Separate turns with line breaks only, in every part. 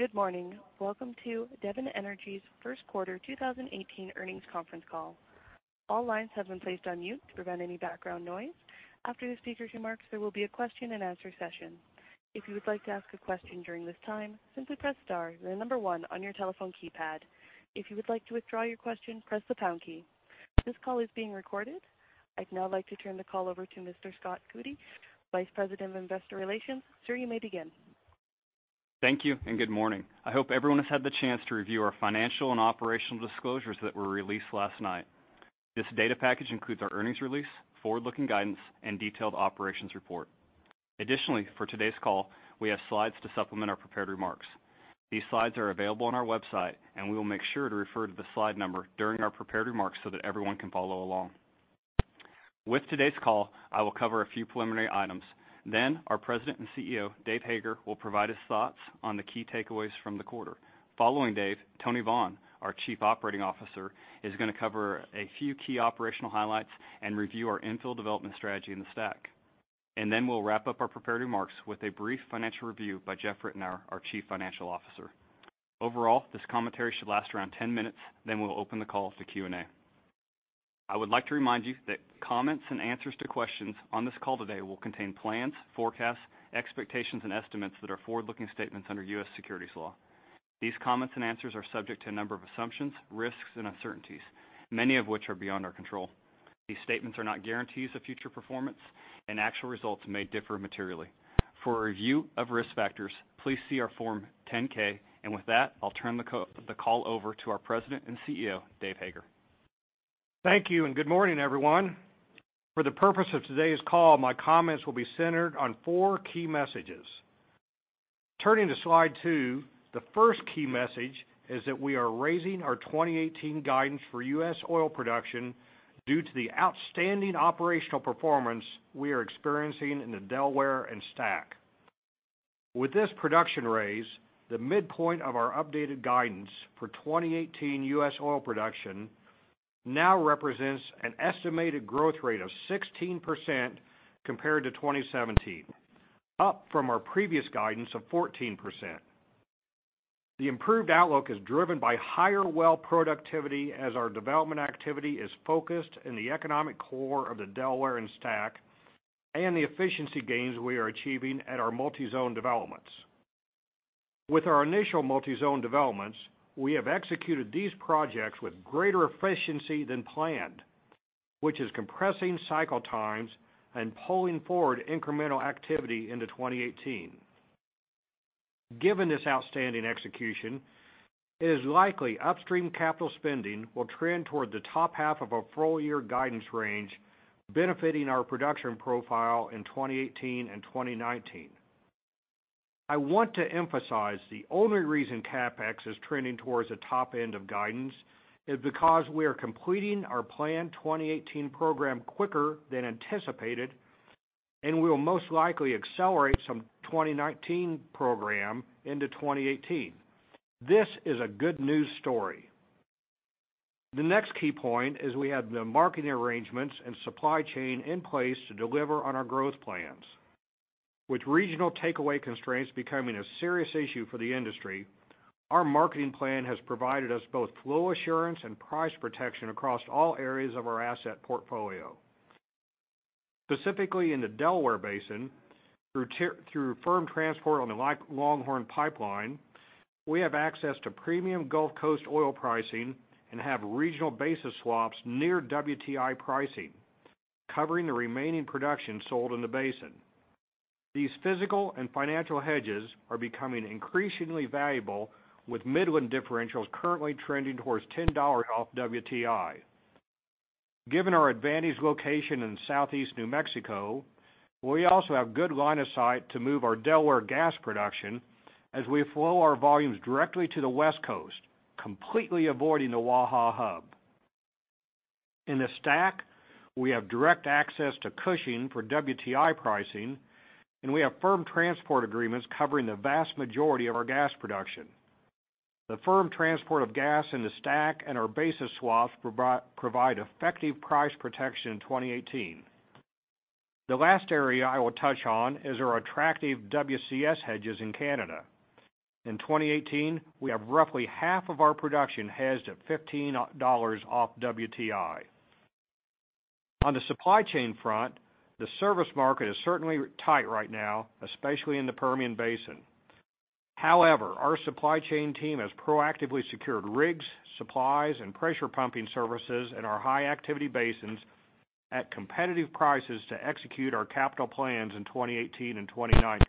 Good morning. Welcome to Devon Energy's first quarter 2018 earnings conference call. All lines have been placed on mute to prevent any background noise. After the speakers' remarks, there will be a question-and-answer session. If you would like to ask a question during this time, simply press star, then the number one on your telephone keypad. If you would like to withdraw your question, press the pound key. This call is being recorded. I'd now like to turn the call over to Mr. Scott Coody, Vice President of Investor Relations. Sir, you may begin.
Thank you. Good morning. I hope everyone has had the chance to review our financial and operational disclosures that were released last night. This data package includes our earnings release, forward-looking guidance, and detailed operations report. Additionally, for today's call, we have slides to supplement our prepared remarks. These slides are available on our website, and we will make sure to refer to the slide number during our prepared remarks so that everyone can follow along. With today's call, I will cover a few preliminary items, then our President and Chief Executive Officer, Dave Hager, will provide his thoughts on the key takeaways from the quarter. Following Dave, Tony Vaughn, our Chief Operating Officer, is going to cover a few key operational highlights and review our infill development strategy in the STACK. Then we'll wrap up our prepared remarks with a brief financial review by Jeff Ritenour, our Chief Financial Officer. Overall, this commentary should last around 10 minutes, then we'll open the call to Q&A. I would like to remind you that comments and answers to questions on this call today will contain plans, forecasts, expectations, and estimates that are forward-looking statements under U.S. securities law. These comments and answers are subject to a number of assumptions, risks, and uncertainties, many of which are beyond our control. These statements are not guarantees of future performance, and actual results may differ materially. For a review of risk factors, please see our Form 10-K. With that, I'll turn the call over to our President and Chief Executive Officer, Dave Hager.
Thank you. Good morning, everyone. For the purpose of today's call, my comments will be centered on four key messages. Turning to Slide two, the first key message is that we are raising our 2018 guidance for U.S. oil production due to the outstanding operational performance we are experiencing in the Delaware and STACK. With this production raise, the midpoint of our updated guidance for 2018 U.S. oil production now represents an estimated growth rate of 16% compared to 2017, up from our previous guidance of 14%. The improved outlook is driven by higher well productivity as our development activity is focused in the economic core of the Delaware and STACK and the efficiency gains we are achieving at our multi-zone developments. With our initial multi-zone developments, we have executed these projects with greater efficiency than planned, which is compressing cycle times and pulling forward incremental activity into 2018. Given this outstanding execution, it is likely upstream capital spending will trend toward the top half of our full-year guidance range, benefiting our production profile in 2018 and 2019. I want to emphasize the only reason CapEx is trending towards the top end of guidance is because we are completing our planned 2018 program quicker than anticipated, and we will most likely accelerate some 2019 program into 2018. This is a good news story. The next key point is we have the marketing arrangements and supply chain in place to deliver on our growth plans. With regional takeaway constraints becoming a serious issue for the industry, our marketing plan has provided us both flow assurance and price protection across all areas of our asset portfolio. Specifically, in the Delaware Basin, through firm transport on the Longhorn Pipeline, we have access to premium Gulf Coast oil pricing and have regional basis swaps near WTI pricing, covering the remaining production sold in the basin. These physical and financial hedges are becoming increasingly valuable, with Midland differentials currently trending towards $10 off WTI. Given our advantaged location in Southeast New Mexico, we also have good line of sight to move our Delaware gas production as we flow our volumes directly to the West Coast, completely avoiding the WAHA hub. In the STACK, we have direct access to Cushing for WTI pricing, and we have firm transport agreements covering the vast majority of our gas production. The firm transport of gas in the STACK and our basis swaps provide effective price protection in 2018. The last area I will touch on is our attractive WCS hedges in Canada. In 2018, we have roughly half of our production hedged at $15 off WTI. On the supply chain front, the service market is certainly tight right now, especially in the Permian Basin. However, our supply chain team has proactively secured rigs, supplies, and pressure pumping services in our high-activity basins at competitive prices to execute our capital plans in 2018 and 2019.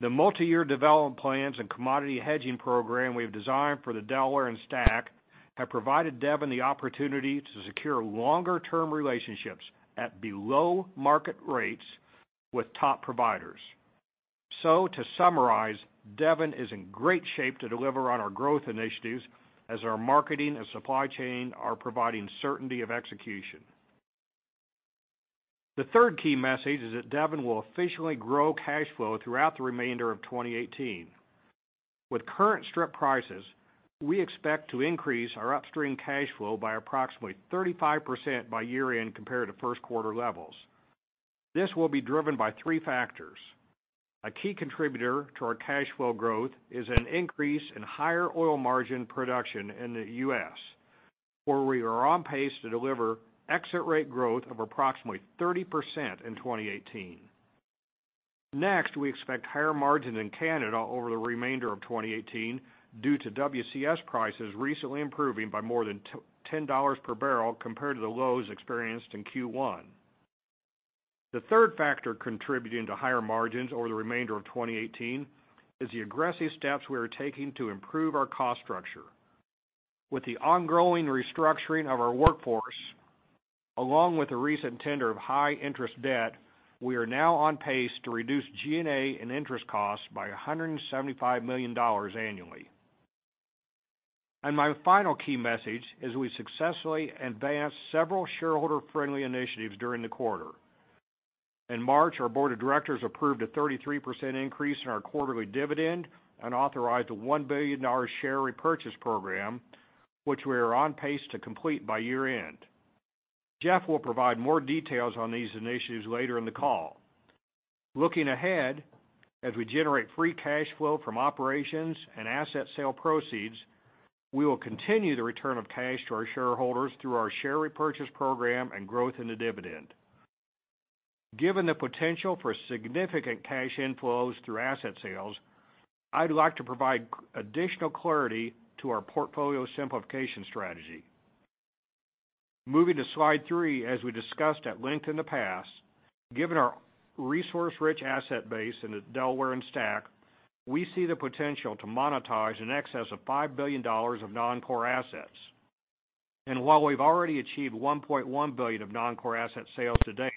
The multi-year development plans and commodity hedging program we have designed for the Delaware and STACK have provided Devon the opportunity to secure longer-term relationships at below-market rates with top providers. To summarize, Devon is in great shape to deliver on our growth initiatives as our marketing and supply chain are providing certainty of execution. The third key message is that Devon will efficiently grow cash flow throughout the remainder of 2018. With current strip prices, we expect to increase our upstream cash flow by approximately 35% by year-end compared to first quarter levels. This will be driven by three factors. A key contributor to our cash flow growth is an increase in higher oil margin production in the U.S., where we are on pace to deliver exit rate growth of approximately 30% in 2018. Next, we expect higher margins in Canada over the remainder of 2018 due to WCS prices recently improving by more than $10 per barrel compared to the lows experienced in Q1. The third factor contributing to higher margins over the remainder of 2018 is the aggressive steps we are taking to improve our cost structure. With the ongoing restructuring of our workforce, along with the recent tender of high interest debt, we are now on pace to reduce G&A and interest costs by $175 million annually. My final key message is we successfully advanced several shareholder-friendly initiatives during the quarter. In March, our board of directors approved a 33% increase in our quarterly dividend and authorized a $1 billion share repurchase program, which we are on pace to complete by year-end. Jeff will provide more details on these initiatives later in the call. Looking ahead, as we generate free cash flow from operations and asset sale proceeds, we will continue the return of cash to our shareholders through our share repurchase program and growth in the dividend. Given the potential for significant cash inflows through asset sales, I'd like to provide additional clarity to our portfolio simplification strategy. Moving to slide three, as we discussed at length in the past, given our resource-rich asset base in the Delaware and STACK, we see the potential to monetize in excess of $5 billion of non-core assets. While we've already achieved $1.1 billion of non-core asset sales to date,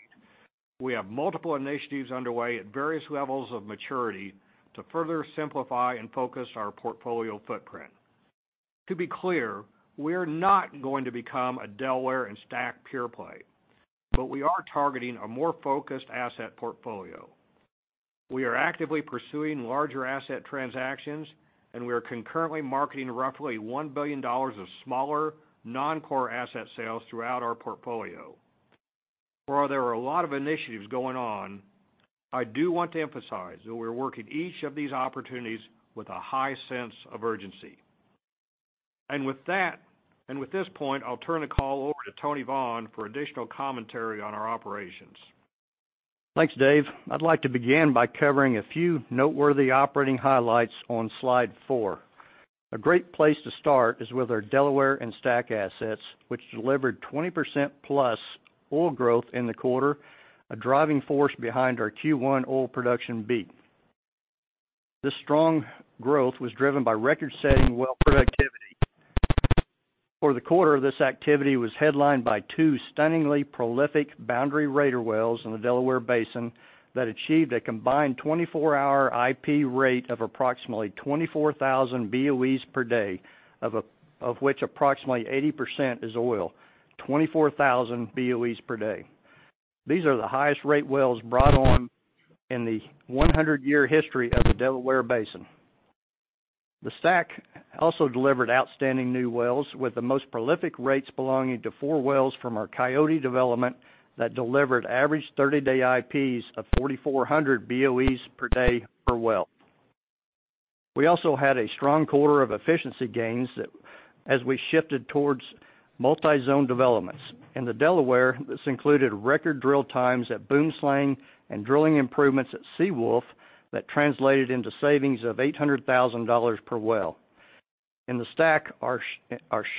we have multiple initiatives underway at various levels of maturity to further simplify and focus our portfolio footprint. To be clear, we're not going to become a Delaware and STACK pure-play, but we are targeting a more focused asset portfolio. We are actively pursuing larger asset transactions, and we are concurrently marketing roughly $1 billion of smaller non-core asset sales throughout our portfolio. For there are a lot of initiatives going on, I do want to emphasize that we're working each of these opportunities with a high sense of urgency. With this point, I'll turn the call over to Tony Vaughn for additional commentary on our operations.
Thanks, Dave. I'd like to begin by covering a few noteworthy operating highlights on Slide four. A great place to start is with our Delaware and STACK assets, which delivered 20% plus oil growth in the quarter, a driving force behind our Q1 oil production beat. This strong growth was driven by record-setting well productivity. For the quarter, this activity was headlined by two stunningly prolific Boundary Raider wells in the Delaware Basin that achieved a combined 24-hour IP rate of approximately 24,000 BOEs per day, of which approximately 80% is oil, 24,000 BOEs per day. These are the highest rate wells brought on in the 100-year history of the Delaware Basin. The STACK also delivered outstanding new wells, with the most prolific rates belonging to four wells from our Coyote development that delivered average 30-day IPs of 4,400 BOEs per day per well. We also had a strong quarter of efficiency gains as we shifted towards multi-zone developments. In the Delaware, this included record drill times at Boomslang and drilling improvements at Seawolf that translated into savings of $800,000 per well. In the STACK, our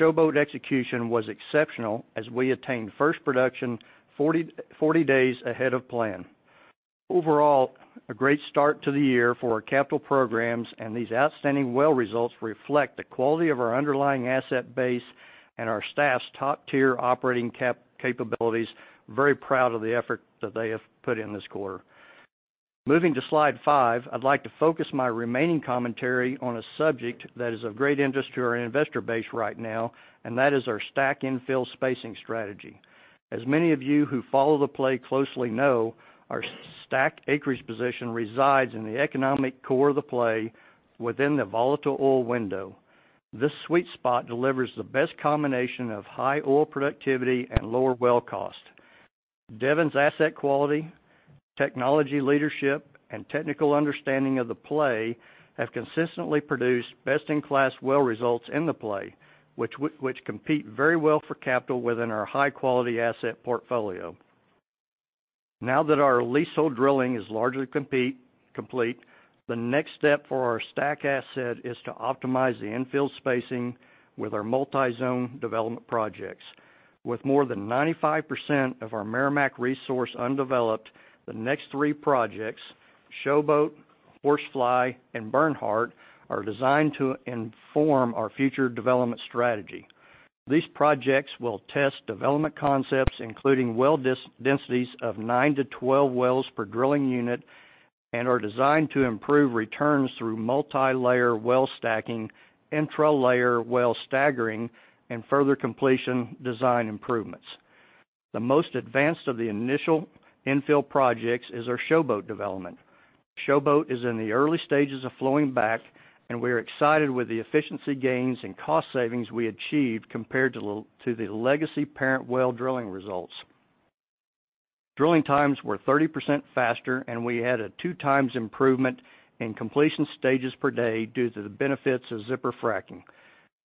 Showboat execution was exceptional as we attained first production 40 days ahead of plan. Overall, a great start to the year for our capital programs, and these outstanding well results reflect the quality of our underlying asset base and our staff's top-tier operating capabilities. Very proud of the effort that they have put in this quarter. Moving to Slide five, I'd like to focus my remaining commentary on a subject that is of great interest to our investor base right now, and that is our STACK infill spacing strategy. As many of you who follow the play closely know, our STACK acreage position resides in the economic core of the play within the volatile oil window. This sweet spot delivers the best combination of high oil productivity and lower well cost. Devon's asset quality, technology leadership, and technical understanding of the play have consistently produced best-in-class well results in the play, which compete very well for capital within our high-quality asset portfolio. Now that our leasehold drilling is largely complete, the next step for our STACK asset is to optimize the infill spacing with our multi-zone development projects. With more than 95% of our Meramec resource undeveloped, the next three projects, Showboat, Horsefly, and Bernhardt, are designed to inform our future development strategy. These projects will test development concepts including well densities of nine to 12 wells per drilling unit and are designed to improve returns through multi-layer well stacking, intra-layer well staggering, and further completion design improvements. The most advanced of the initial infill projects is our Showboat development. Showboat is in the early stages of flowing back, and we are excited with the efficiency gains and cost savings we achieved compared to the legacy parent well drilling results. Drilling times were 30% faster, and we had a two times improvement in completion stages per day due to the benefits of zipper fracking.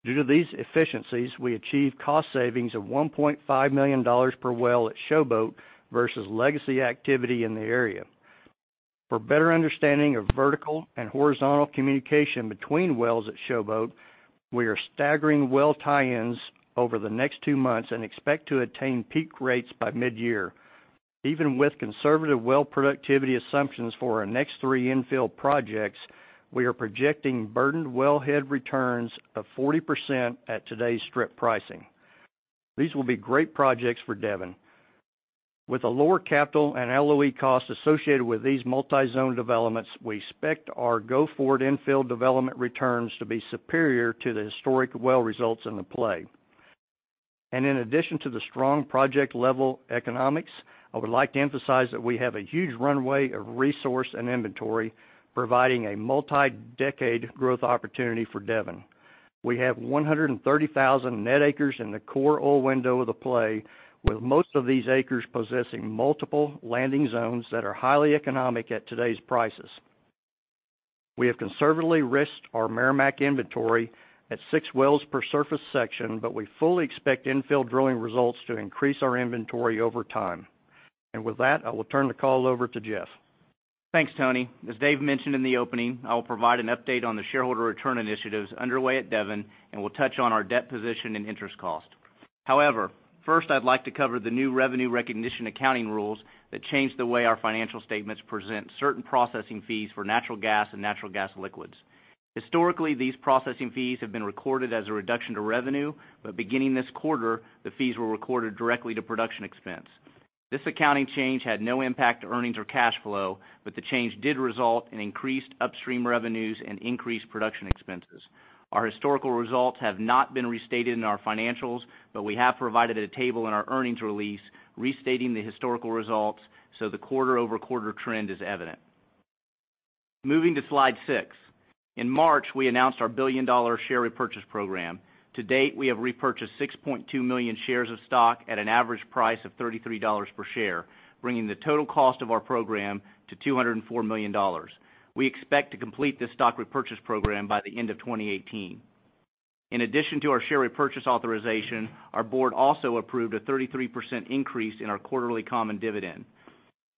Due to these efficiencies, we achieved cost savings of $1.5 million per well at Showboat versus legacy activity in the area. For better understanding of vertical and horizontal communication between wells at Showboat, we are staggering well tie-ins over the next two months and expect to attain peak rates by midyear. Even with conservative well productivity assumptions for our next three infill projects, we are projecting burdened well head returns of 40% at today's strip pricing. These will be great projects for Devon. With a lower capital and LOE cost associated with these multi-zone developments, we expect our go-forward infill development returns to be superior to the historic well results in the play. In addition to the strong project-level economics, I would like to emphasize that we have a huge runway of resource and inventory, providing a multi-decade growth opportunity for Devon. We have 130,000 net acres in the core oil window of the play, with most of these acres possessing multiple landing zones that are highly economic at today's prices. We have conservatively risked our Meramec inventory at six wells per surface section, but we fully expect infill drilling results to increase our inventory over time. With that, I will turn the call over to Jeff.
Thanks, Tony. As Dave mentioned in the opening, I will provide an update on the shareholder return initiatives underway at Devon Energy, and we'll touch on our debt position and interest cost. However, first, I'd like to cover the new revenue recognition accounting rules that change the way our financial statements present certain processing fees for natural gas and natural gas liquids. Historically, these processing fees have been recorded as a reduction to revenue, but beginning this quarter, the fees were recorded directly to production expense. This accounting change had no impact to earnings or cash flow, but the change did result in increased upstream revenues and increased production expenses. Our historical results have not been restated in our financials, but we have provided a table in our earnings release restating the historical results, so the quarter-over-quarter trend is evident. Moving to slide six. In March, we announced our billion-dollar share repurchase program. To date, we have repurchased 6.2 million shares of stock at an average price of $33 per share, bringing the total cost of our program to $204 million. We expect to complete this stock repurchase program by the end of 2018. In addition to our share repurchase authorization, our board also approved a 33% increase in our quarterly common dividend.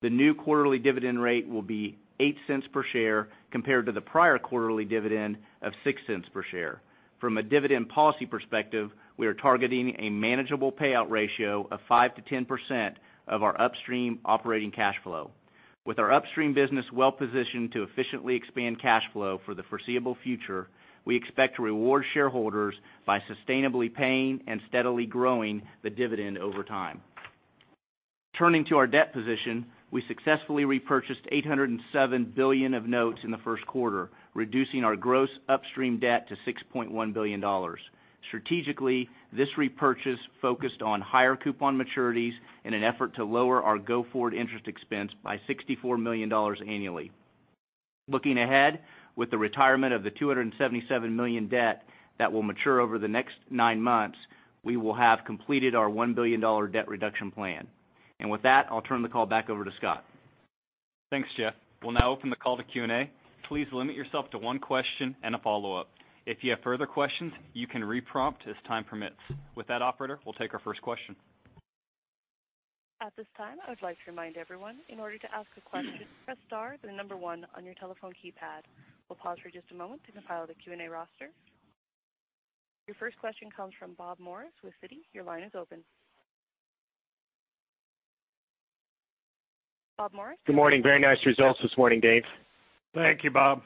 The new quarterly dividend rate will be $0.08 per share compared to the prior quarterly dividend of $0.06 per share. From a dividend policy perspective, we are targeting a manageable payout ratio of 5%-10% of our upstream operating cash flow. With our upstream business well-positioned to efficiently expand cash flow for the foreseeable future, we expect to reward shareholders by sustainably paying and steadily growing the dividend over time. Turning to our debt position, we successfully repurchased $807 million of notes in the first quarter, reducing our gross upstream debt to $6.1 billion. Strategically, this repurchase focused on higher coupon maturities in an effort to lower our go-forward interest expense by $64 million annually. Looking ahead, with the retirement of the $277 million debt that will mature over the next nine months, we will have completed our $1 billion debt reduction plan. With that, I'll turn the call back over to Scott.
Thanks, Jeff. We'll now open the call to Q&A. Please limit yourself to one question and a follow-up. If you have further questions, you can re-prompt as time permits. With that, operator, we'll take our first question.
At this time, I would like to remind everyone, in order to ask a question, press star, then the number 1 on your telephone keypad. We'll pause for just a moment to compile the Q&A roster. Your first question comes from Bob Morris with Citi. Your line is open. Bob Morris?
Good morning. Very nice results this morning, Dave.
Thank you, Bob.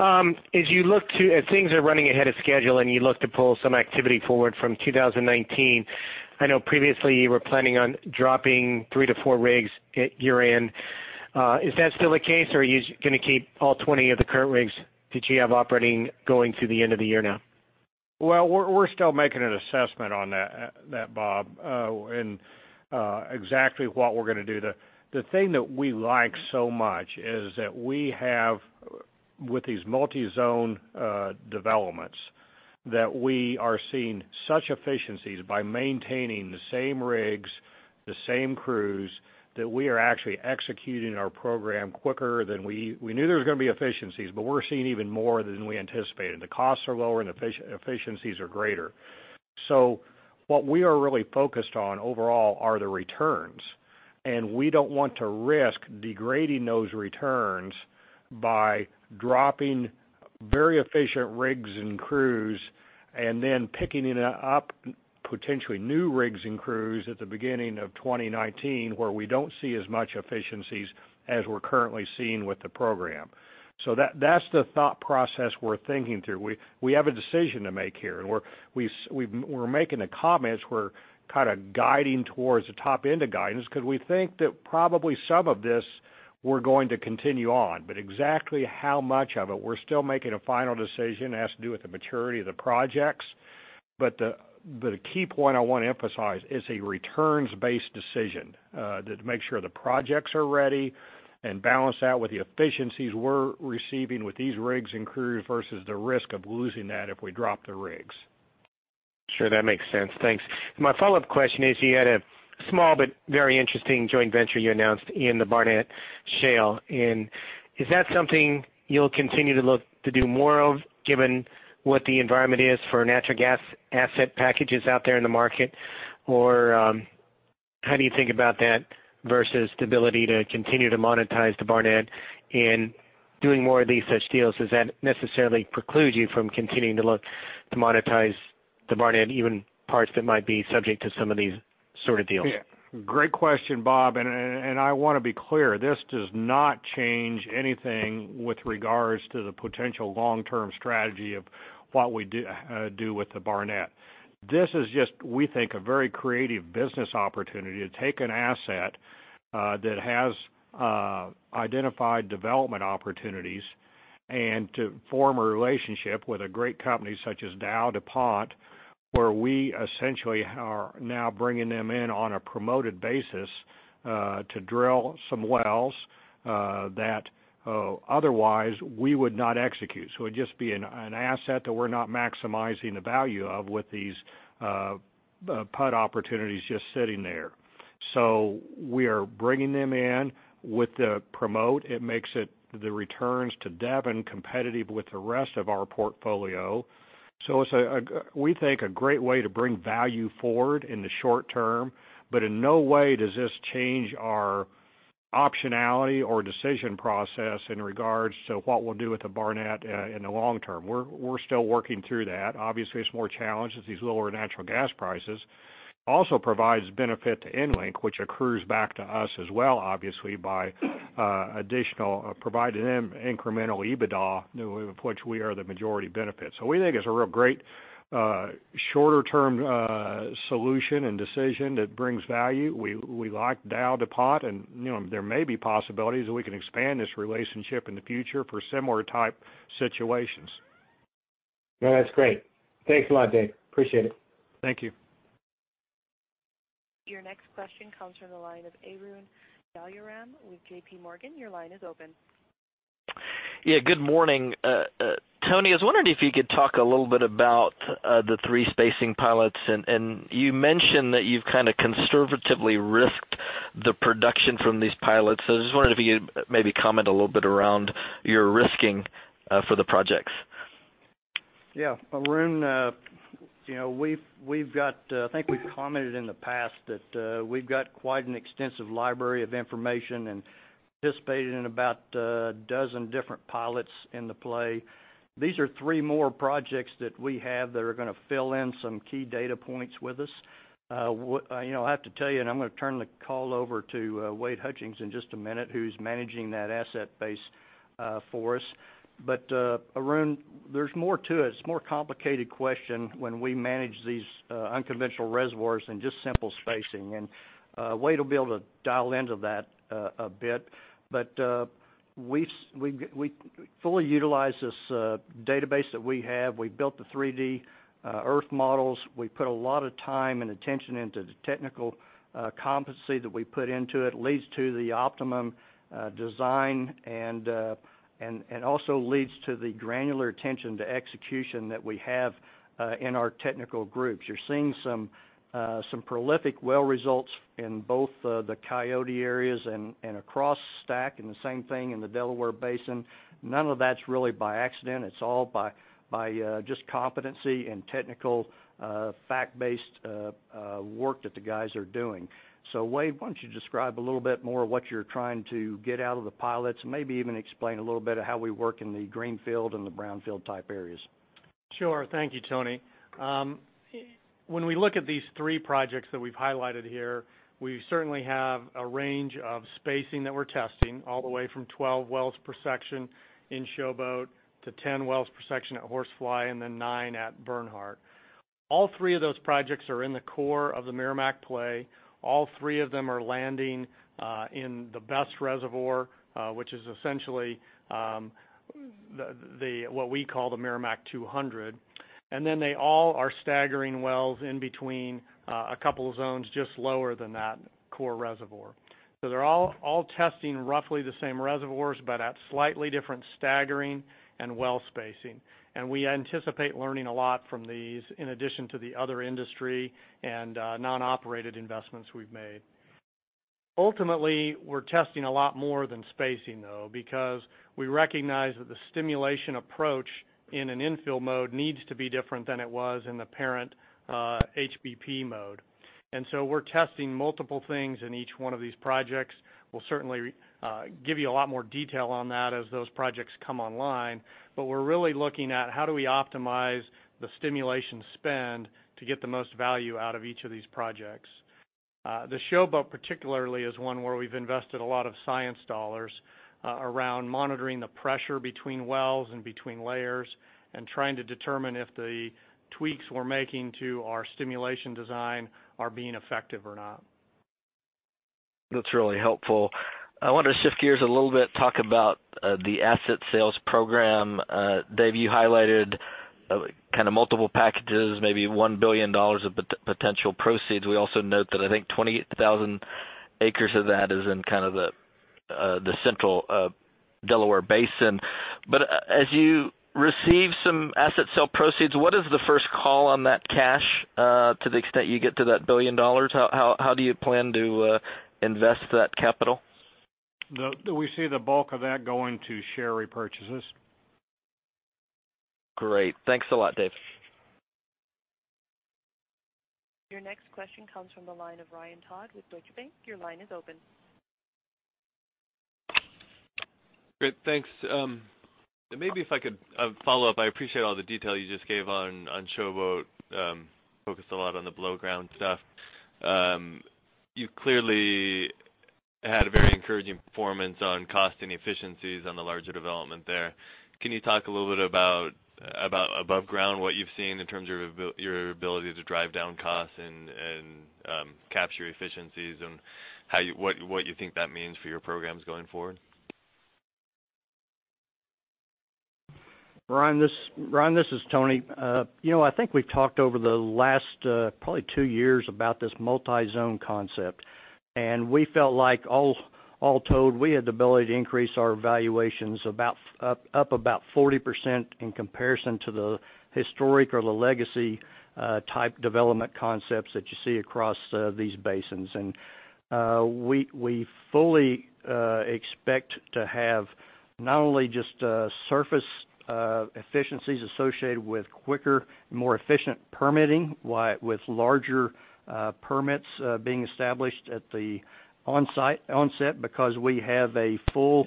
As things are running ahead of schedule and you look to pull some activity forward from 2019, I know previously you were planning on dropping 3 to 4 rigs year-in. Is that still the case, or are you just going to keep all 20 of the current rigs that you have operating going through the end of the year now?
Well, we're still making an assessment on that, Bob, and exactly what we're going to do. The thing that we like so much is that we have, with these multi-zone developments, that we are seeing such efficiencies by maintaining the same rigs, the same crews, that we are actually executing our program quicker than we knew there was going to be efficiencies, but we're seeing even more than we anticipated. The costs are lower, efficiencies are greater. What we are really focused on overall are the returns, and we don't want to risk degrading those returns by dropping very efficient rigs and crews, then picking up potentially new rigs and crews at the beginning of 2019, where we don't see as much efficiencies as we're currently seeing with the program. That's the thought process we're thinking through. We have a decision to make here. We're making the comments, we're kind of guiding towards the top end of guidance because we think that probably some of this, we're going to continue on. Exactly how much of it, we're still making a final decision. It has to do with the maturity of the projects.
The key point I want to emphasize, it's a returns-based decision to make sure the projects are ready and balance that with the efficiencies we're receiving with these rigs and crews versus the risk of losing that if we drop the rigs.
Sure, that makes sense. Thanks. My follow-up question is, you had a small but very interesting joint venture you announced in the Barnett Shale. Is that something you'll continue to look to do more of, given what the environment is for natural gas asset packages out there in the market? How do you think about that versus the ability to continue to monetize the Barnett in doing more of these such deals? Does that necessarily preclude you from continuing to look to monetize the Barnett, even parts that might be subject to some of these sort of deals?
Yeah. Great question, Bob, I want to be clear, this does not change anything with regards to the potential long-term strategy of what we do with the Barnett. This is just, we think, a very creative business opportunity to take an asset that has identified development opportunities and to form a relationship with a great company such as DowDuPont, where we essentially are now bringing them in on a promoted basis to drill some wells that otherwise we would not execute. It'd just be an asset that we're not maximizing the value of with these PUD opportunities just sitting there. We are bringing them in with the promote. It makes the returns to Devon competitive with the rest of our portfolio. It's, we think, a great way to bring value forward in the short term. In no way does this change our optionality or decision process in regards to what we'll do with the Barnett in the long term. We're still working through that. Obviously, it's more challenged with these lower natural gas prices. Also provides benefit to EnLink, which accrues back to us as well, obviously, by providing them incremental EBITDA, of which we are the majority benefit. We think it's a real great shorter-term solution and decision that brings value. We like DowDuPont, there may be possibilities that we can expand this relationship in the future for similar type situations.
No, that's great. Thanks a lot, Dave. Appreciate it.
Thank you.
Your next question comes from the line of Arun Jayaram with JPMorgan. Your line is open.
Yeah, good morning. Tony, I was wondering if you could talk a little bit about the three spacing pilots. You mentioned that you've kind of conservatively risked the production from these pilots. I just wondered if you'd maybe comment a little bit around your risking for the projects.
Yeah. Arun, I think we've commented in the past that we've got quite an extensive library of information and participated in about a dozen different pilots in the play. These are three more projects that we have that are going to fill in some key data points with us. I have to tell you, I'm going to turn the call over to Wade Hutchings in just a minute, who's managing that asset base for us. Arun, there's more to it. It's a more complicated question when we manage these unconventional reservoirs than just simple spacing. Wade will be able to dial into that a bit. We fully utilize this database that we have. We built the 3D Earth models. We put a lot of time and attention into the technical competency that we put into it. It leads to the optimum design, also leads to the granular attention to execution that we have in our technical groups. You're seeing some prolific well results in both the Coyote areas and across STACK, the same thing in the Delaware Basin. None of that's really by accident. It's all by just competency and technical fact-based work that the guys are doing. Wade, why don't you describe a little bit more of what you're trying to get out of the pilots, maybe even explain a little bit of how we work in the greenfield and the brownfield type areas.
Sure. Thank you, Tony. When we look at these three projects that we've highlighted here, we certainly have a range of spacing that we're testing, all the way from 12 wells per section in Showboat, to 10 wells per section at Horsefly, and then nine at Bernhardt. All three of those projects are in the core of the Meramec play. All three of them are landing in the best reservoir, which is essentially what we call the Meramec 200. They all are staggering wells in between a couple of zones just lower than that core reservoir. They're all testing roughly the same reservoirs, but at slightly different staggering and well spacing. We anticipate learning a lot from these, in addition to the other industry and non-operated investments we've made.
Ultimately, we're testing a lot more than spacing, though, because we recognize that the stimulation approach in an infill mode needs to be different than it was in the parent HBP mode. We're testing multiple things in each one of these projects. We'll certainly give you a lot more detail on that as those projects come online. We're really looking at how do we optimize the stimulation spend to get the most value out of each of these projects. The Showboat particularly is one where we've invested a lot of science dollars around monitoring the pressure between wells and between layers, and trying to determine if the tweaks we're making to our stimulation design are being effective or not.
That's really helpful. I wanted to shift gears a little bit, talk about the asset sales program. Dave, you highlighted multiple packages, maybe $1 billion of potential proceeds. We also note that I think 20,000 acres of that is in the central Delaware Basin. As you receive some asset sale proceeds, what is the first call on that cash, to the extent you get to that $1 billion? How do you plan to invest that capital?
We see the bulk of that going to share repurchases.
Great. Thanks a lot, Dave.
Your next question comes from the line of Ryan Todd with Deutsche Bank. Your line is open.
Great, thanks. Maybe if I could follow up, I appreciate all the detail you just gave on Showboat, focused a lot on the below-ground stuff. You clearly had a very encouraging performance on cost and efficiencies on the larger development there. Can you talk a little bit about above ground, what you've seen in terms of your ability to drive down costs and capture efficiencies, and what you think that means for your programs going forward?
Ryan, this is Tony. I think we've talked over the last probably two years about this multi-zone concept. We felt like all told, we had the ability to increase our valuations up about 40% in comparison to the historic or the legacy type development concepts that you see across these basins. We fully expect to have not only just surface efficiencies associated with quicker, more efficient permitting, with larger permits being established at the onset, because we have a full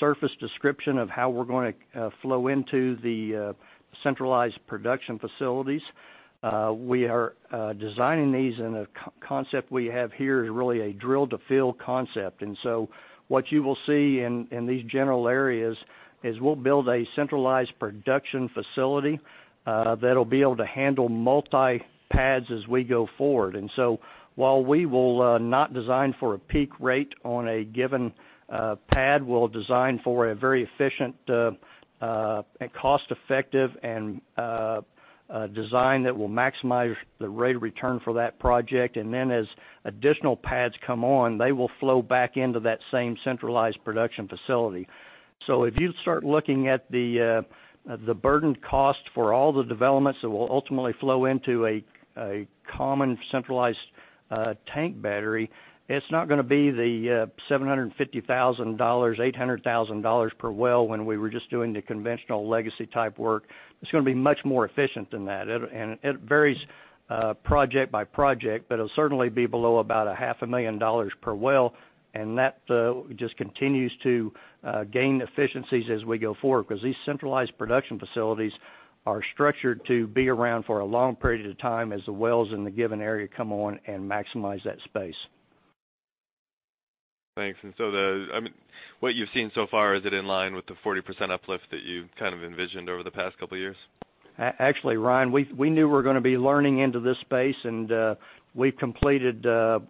surface description of how we're going to flow into the centralized production facilities. We are designing these. A concept we have here is really a drill-to-fill concept. What you will see in these general areas is we'll build a centralized production facility that'll be able to handle multi pads as we go forward. While we will not design for a peak rate on a given pad, we'll design for a very efficient and cost-effective design that will maximize the rate of return for that project. As additional pads come on, they will flow back into that same centralized production facility. If you start looking at the burdened cost for all the developments that will ultimately flow into a common centralized tank battery, it's not going to be the $750,000, $800,000 per well when we were just doing the conventional legacy type work. It's going to be much more efficient than that. It varies project by project, but it'll certainly be below about a half a million dollars per well, and that just continues to gain efficiencies as we go forward, because these centralized production facilities are structured to be around for a long period of time as the wells in the given area come on and maximize that space.
Thanks. What you've seen so far, is it in line with the 40% uplift that you've envisioned over the past couple of years?
Actually, Ryan, we knew we were going to be learning into this space, we've completed the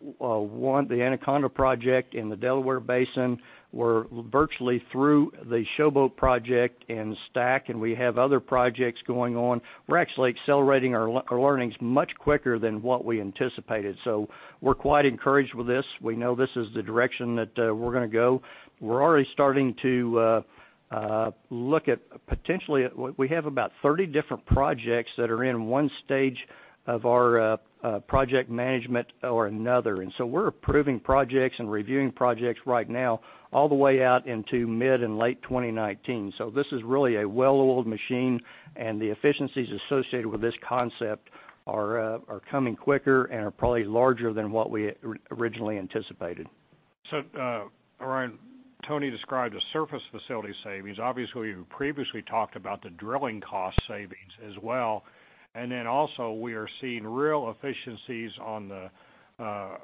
Anaconda project in the Delaware Basin. We're virtually through the Showboat project in STACK, and we have other projects going on. We're actually accelerating our learnings much quicker than what we anticipated. We're quite encouraged with this. We know this is the direction that we're going to go. We're already starting to look at, potentially we have about 30 different projects that are in stage 1 of our project management or another. We're approving projects and reviewing projects right now all the way out into mid and late 2019. This is really a well-oiled machine, and the efficiencies associated with this concept are coming quicker and are probably larger than what we originally anticipated.
Ryan, Tony described the surface facility savings. Obviously, we previously talked about the drilling cost savings as well. Also, we are seeing real efficiencies on the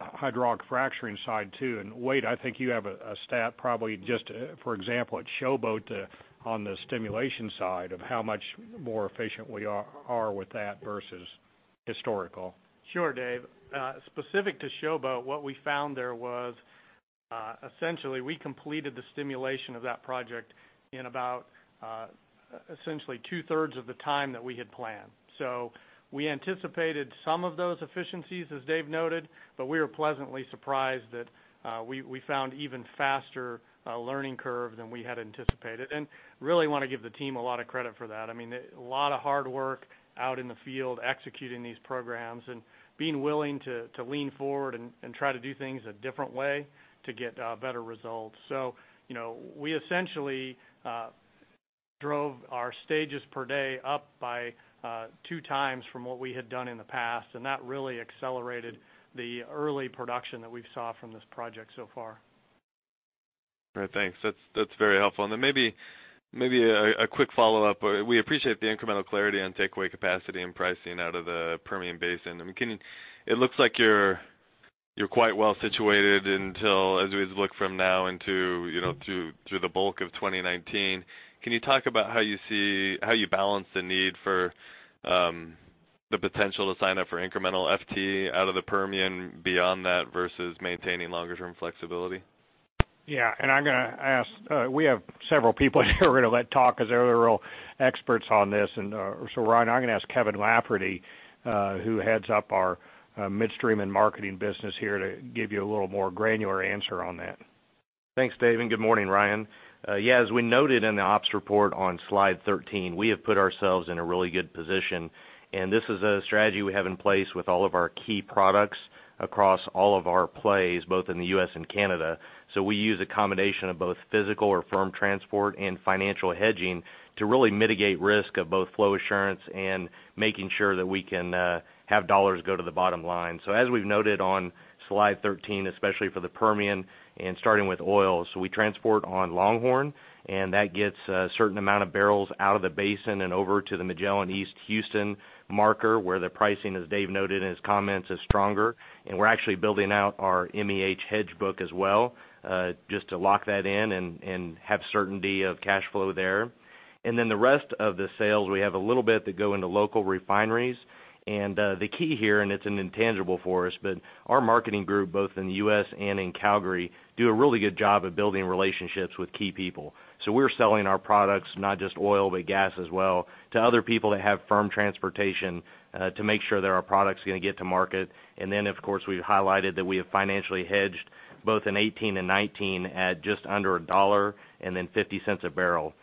hydraulic fracturing side, too. Wade, I think you have a stat probably just, for example, at Showboat, on the stimulation side of how much more efficient we are with that versus historical.
Sure, Dave. Specific to Showboat, what we found there was essentially we completed the stimulation of that project in about essentially two-thirds of the time that we had planned. We anticipated some of those efficiencies, as Dave noted, but we were pleasantly surprised that we found even faster learning curve than we had anticipated. Really want to give the team a lot of credit for that. A lot of hard work out in the field executing these programs and being willing to lean forward and try to do things a different way to get better results. We essentially drove our stages per day up by two times from what we had done in the past, and that really accelerated the early production that we saw from this project so far.
All right, thanks. That's very helpful. Maybe a quick follow-up. We appreciate the incremental clarity on takeaway capacity and pricing out of the Permian Basin. It looks like you're quite well situated until, as we look from now through the bulk of 2019. Can you talk about how you balance the need for the potential to sign up for incremental FT out of the Permian beyond that, versus maintaining longer-term flexibility?
Yeah. We have several people here we're going to let talk because they're real experts on this. Ryan, I'm going to ask Kevin Lafferty, who heads up our midstream and marketing business here to give you a little more granular answer on that.
Thanks, Dave, and good morning, Ryan. Yeah, as we noted in the ops report on slide 13, we have put ourselves in a really good position, and this is a strategy we have in place with all of our key products across all of our plays, both in the U.S. and Canada. We use a combination of both physical or firm transport and financial hedging to really mitigate risk of both flow assurance and making sure that we can have dollars go to the bottom line. As we've noted on slide 13, especially for the Permian and starting with oil. We transport on Longhorn, and that gets a certain amount of barrels out of the basin and over to the Magellan East Houston marker, where the pricing, as Dave noted in his comments, is stronger. We're actually building out our MEH hedge book as well, just to lock that in and have certainty of cash flow there. The rest of the sales, we have a little bit that go into local refineries. The key here, and it's an intangible for us, but our marketing group, both in the U.S. and in Calgary, do a really good job of building relationships with key people. We're selling our products, not just oil, but gas as well, to other people that have firm transportation to make sure that our product's going to get to market. Of course, we've highlighted that we have financially hedged both in 2018 and 2019 at just under $1 and then $0.50 a barrel.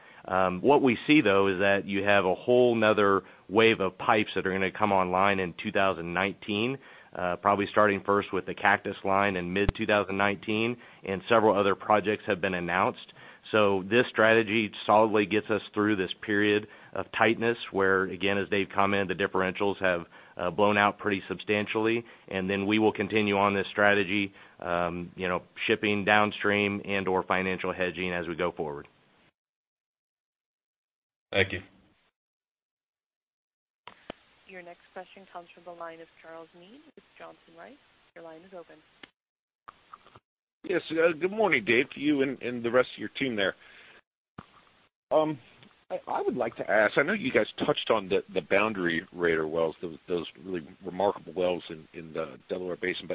What we see, though, is that you have a whole other wave of pipes that are going to come online in 2019. Probably starting first with the Cactus line in mid-2019, and several other projects have been announced. This strategy solidly gets us through this period of tightness, where, again, as Dave commented, the differentials have blown out pretty substantially. Then we will continue on this strategy, shipping downstream and/or financial hedging as we go forward.
Thank you.
Your next question comes from the line of Charles Meade with Johnson Rice. Your line is open.
Yes. Good morning, Dave, to you and the rest of your team there. I would like to ask, I know you guys touched on the Boundary Raider wells, those really remarkable wells in the Delaware Basin.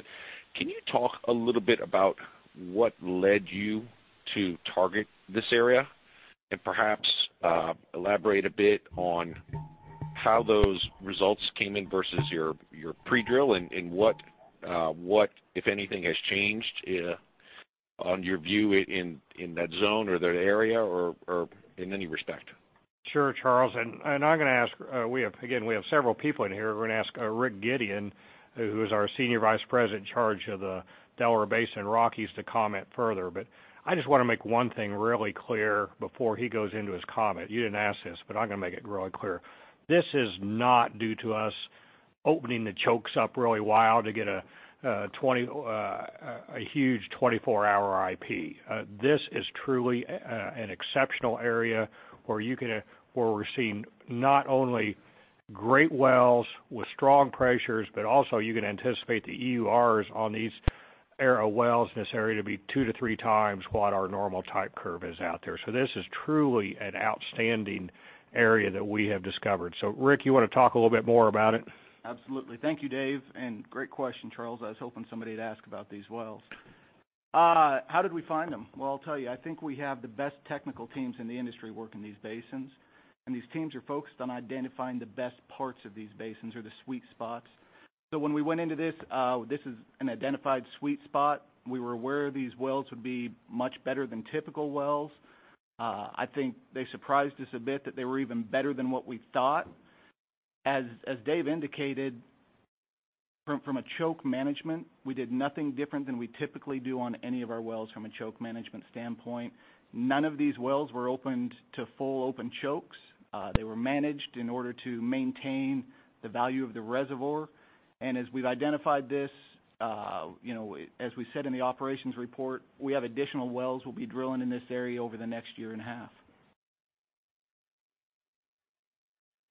Can you talk a little bit about what led you to target this area? Perhaps elaborate a bit on how those results came in versus your pre-drill, and what, if anything, has changed on your view in that zone or that area or in any respect?
Sure, Charles. I'm going to ask, again, we have several people in here. We're going to ask Rick Gideon, who is our Senior Vice President in charge of the Delaware Basin Rockies, to comment further. I just want to make one thing really clear before he goes into his comment. You didn't ask this, I'm going to make it really clear. This is not due to us opening the chokes up really wide to get a huge 24-hour IP. This is truly an exceptional area where we're seeing not only great wells with strong pressures, you can anticipate the EURs on these wells in this area to be two to three times what our normal type curve is out there. This is truly an outstanding area that we have discovered. Rick, you want to talk a little bit more about it?
Absolutely. Thank you, Dave, and great question, Charles. I was hoping somebody'd ask about these wells. How did we find them? Well, I'll tell you. I think we have the best technical teams in the industry working these basins, these teams are focused on identifying the best parts of these basins, or the sweet spots. When we went into this is an identified sweet spot. We were aware these wells would be much better than typical wells. I think they surprised us a bit that they were even better than what we thought. As Dave indicated, from a choke management, we did nothing different than we typically do on any of our wells from a choke management standpoint. None of these wells were opened to full open chokes. They were managed in order to maintain the value of the reservoir. As we've identified this, as we said in the operations report, we have additional wells we'll be drilling in this area over the next year and a half.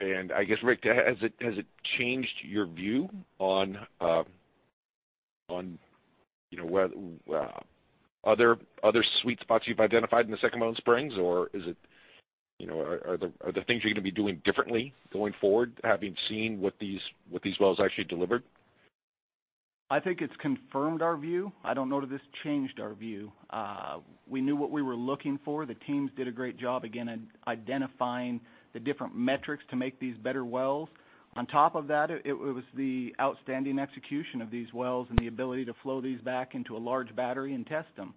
I guess, Rick, has it changed your view on other sweet spots you've identified in the Second Bone Spring? Are there things you're going to be doing differently going forward, having seen what these wells actually delivered?
I think it's confirmed our view. I don't know that it's changed our view. We knew what we were looking for. The teams did a great job, again, at identifying the different metrics to make these better wells. On top of that, it was the outstanding execution of these wells and the ability to flow these back into a large battery and test them.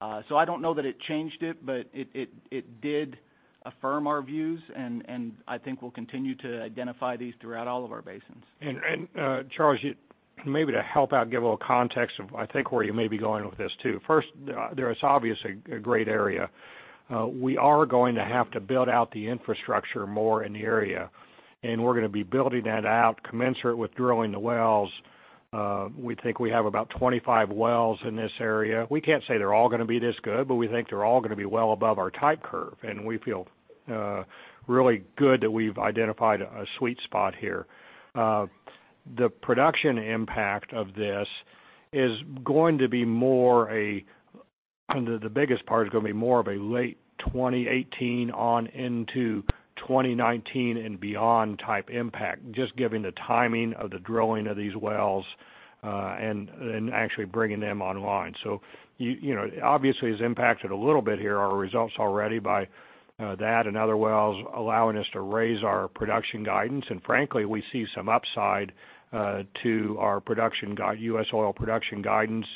I don't know that it changed it, but it did affirm our views, and I think we'll continue to identify these throughout all of our basins.
Charles, maybe to help out give a little context of, I think, where you may be going with this too. First, there is obviously a great area. We are going to have to build out the infrastructure more in the area, and we're going to be building that out commensurate with drilling the wells. We think we have about 25 wells in this area. We can't say they're all going to be this good, but we think they're all going to be well above our type curve, and we feel really good that we've identified a sweet spot here. The production impact of this is going to be more of a late 2018 on into 2019 and beyond type impact, just given the timing of the drilling of these wells, and actually bringing them online. Obviously it's impacted a little bit here, our results already by that and other wells allowing us to raise our production guidance. Frankly, we see some upside to our U.S. oil production guidance,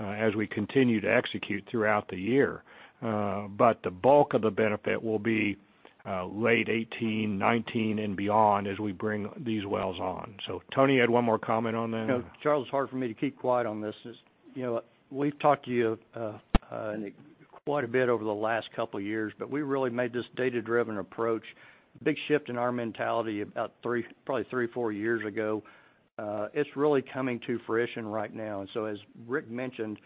as we continue to execute throughout the year. The bulk of the benefit will be late 2018, 2019 and beyond as we bring these wells on. Tony had one more comment on that.
Charles, it's hard for me to keep quiet on this. We've talked to you quite a bit over the last couple of years, but we really made this data-driven approach, a big shift in our mentality about probably three, four years ago. It's really coming to fruition right now. As Rick mentioned,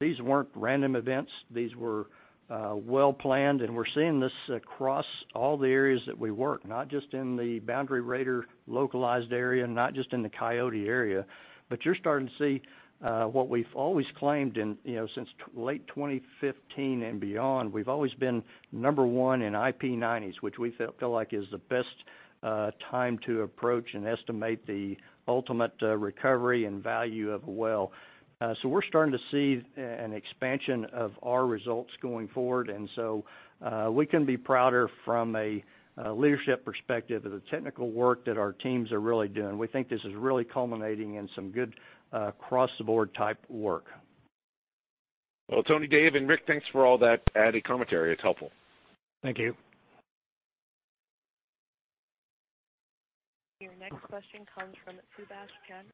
these weren't random events. These were well-planned, and we're seeing this across all the areas that we work, not just in the Boundary Raider localized area, not just in the Coyote area, but you're starting to see what we've always claimed since late 2015 and beyond. We've always been number one in IP90s, which we feel like is the best time to approach and estimate the ultimate recovery and value of a well. We're starting to see an expansion of our results going forward, we couldn't be prouder from a leadership perspective of the technical work that our teams are really doing. We think this is really culminating in some good across-the-board type work.
Well, Tony, Dave, and Rick, thanks for all that added commentary. It's helpful.
Thank you.
Your next question comes from Subash Chandra.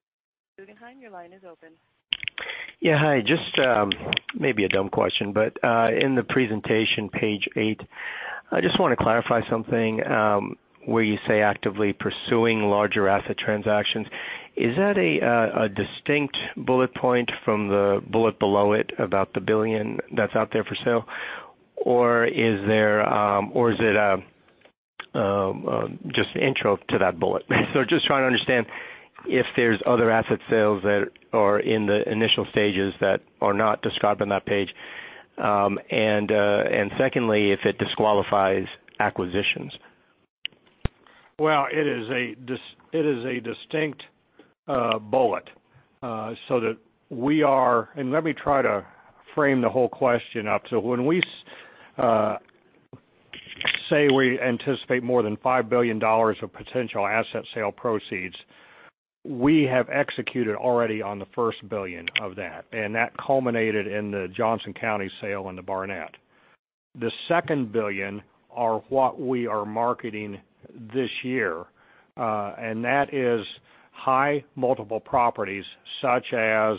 Subash, your line is open.
Yeah, hi. Just maybe a dumb question, but in the presentation, page eight, I just want to clarify something, where you say actively pursuing larger asset transactions. Is that a distinct bullet point from the bullet below it about the $1 billion that's out there for sale? Or is it just intro to that bullet? Just trying to understand if there's other asset sales that are in the initial stages that are not described on that page. Secondly, if it disqualifies acquisitions.
Well, it is a distinct bullet. Let me try to frame the whole question up. When we say we anticipate more than $5 billion of potential asset sale proceeds, we have executed already on the first $1 billion of that, and that culminated in the Johnson County sale and the Barnett. The second $1 billion are what we are marketing this year, and that is high multiple properties, such as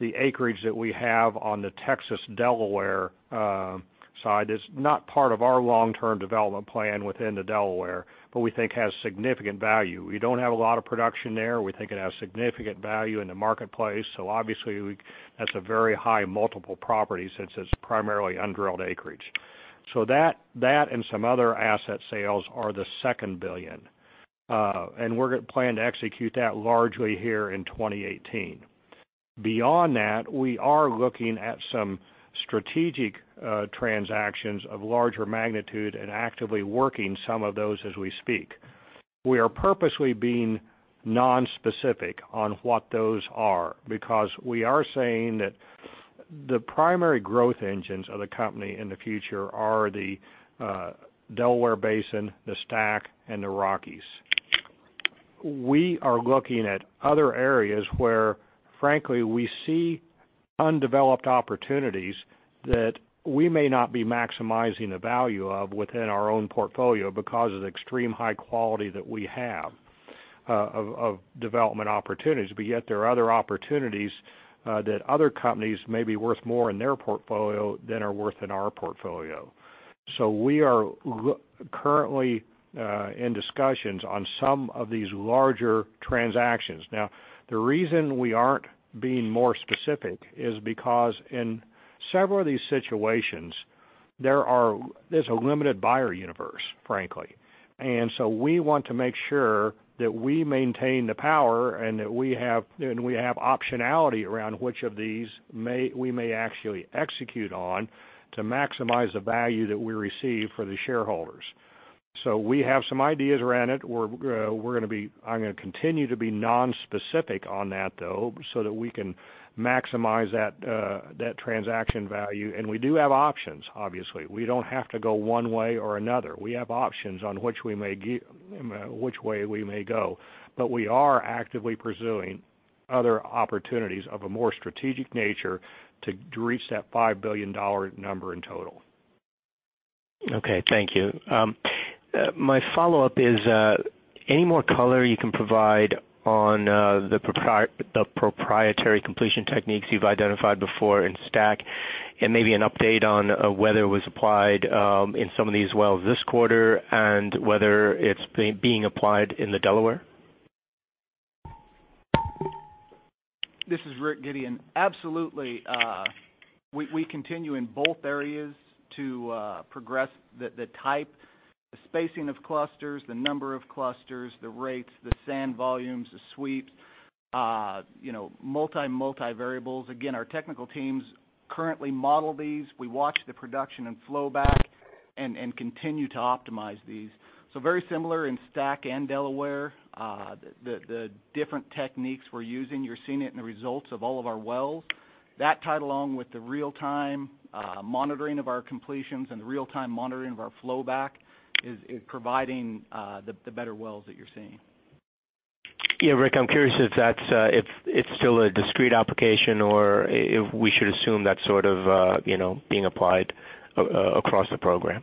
the acreage that we have on the Texas Delaware side. That's not part of our long-term development plan within the Delaware, but we think has significant value. We don't have a lot of production there. We think it has significant value in the marketplace. Obviously, that's a very high multiple property since it's primarily undrilled acreage. That and some other asset sales are the second $1 billion. We plan to execute that largely here in 2018. Beyond that, we are looking at some strategic transactions of larger magnitude and actively working some of those as we speak. We are purposely being nonspecific on what those are, because we are saying that the primary growth engines of the company in the future are the Delaware Basin, the STACK, and the Rockies. We are looking at other areas where, frankly, we see undeveloped opportunities that we may not be maximizing the value of within our own portfolio because of the extreme high quality that we have of development opportunities. Yet there are other opportunities that other companies may be worth more in their portfolio than are worth in our portfolio. We are currently in discussions on some of these larger transactions. Now, the reason we aren't being more specific is because in several of these situations, there's a limited buyer universe, frankly. We want to make sure that we maintain the power and that we have optionality around which of these we may actually execute on to maximize the value that we receive for the shareholders. We have some ideas around it. I'm going to continue to be nonspecific on that, though, so that we can maximize that transaction value. We do have options, obviously. We don't have to go one way or another. We have options on which way we may go. We are actively pursuing other opportunities of a more strategic nature to reach that $5 billion number in total.
Okay. Thank you. My follow-up is, any more color you can provide on the proprietary completion techniques you've identified before in STACK, and maybe an update on whether it was applied in some of these wells this quarter, and whether it's being applied in the Delaware?
This is Rick Gideon. Absolutely. We continue in both areas to progress the type, the spacing of clusters, the number of clusters, the rates, the sand volumes, the sweeps. Multi-variables. Our technical teams currently model these. We watch the production and flow back, and continue to optimize these. Very similar in STACK and Delaware, the different techniques we're using, you're seeing it in the results of all of our wells. That tied along with the real-time monitoring of our completions and the real-time monitoring of our flow back, is providing the better wells that you're seeing.
Yeah. Rick, I'm curious if it's still a discrete application or if we should assume that's being applied across the program.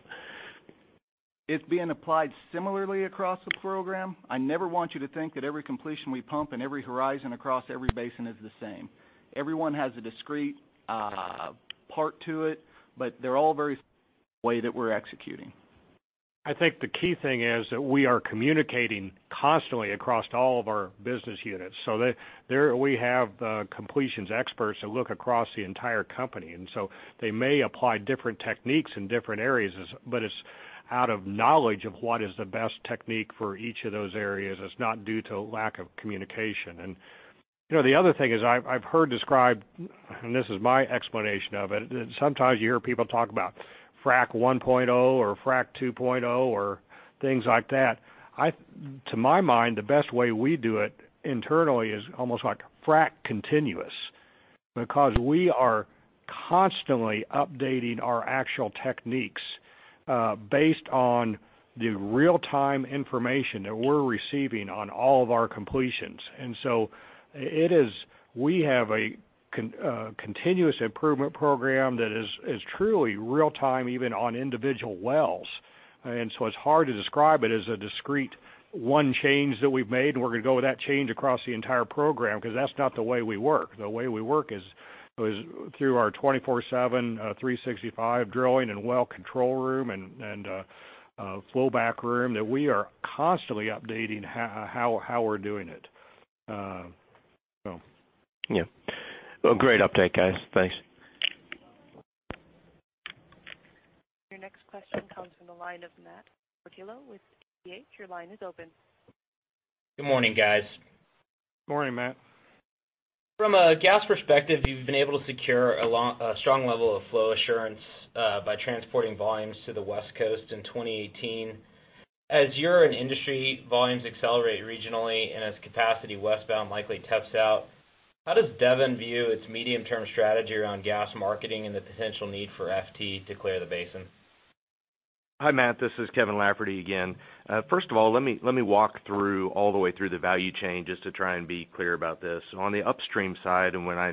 It's being applied similarly across the program. I never want you to think that every completion we pump and every horizon across every basin is the same. Every one has a discrete part to it, but they're all very way that we're executing.
I think the key thing is that we are communicating constantly across all of our business units, there we have completions experts that look across the entire company. They may apply different techniques in different areas, but it's out of knowledge of what is the best technique for each of those areas. It's not due to lack of communication. The other thing is I've heard described, and this is my explanation of it. Sometimes you hear people talk about frac 1.0 or frac 2.0 or things like that. To my mind, the best way we do it internally is almost like frac continuous, because we are constantly updating our actual techniques, based on the real-time information that we're receiving on all of our completions. We have a continuous improvement program that is truly real-time, even on individual wells. It's hard to describe it as a discrete one change that we've made, and we're going to go with that change across the entire program, because that's not the way we work. The way we work is through our 24/7, 365 drilling and well control room, and flow back room, that we are constantly updating how we're doing it.
Yeah. Well, great update, guys. Thanks.
Your next question comes from the line of Matt Portillo with TPH. Your line is open.
Good morning, guys.
Morning, Matt.
From a gas perspective, you've been able to secure a strong level of flow assurance by transporting volumes to the West Coast in 2018. As you're an industry, volumes accelerate regionally, and as capacity westbound likely taps out, how does Devon view its medium-term strategy around gas marketing and the potential need for FT to clear the basin?
Hi, Matt. This is Kevin Lafferty again. First of all, let me walk through all the way through the value chain, just to try and be clear about this. On the upstream side, when I